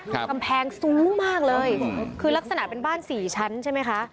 กำแพงสูงมากเลยคือลักษณะเป็นบ้านสี่ชั้นใช่ไหมคะ